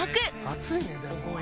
暑いねでも。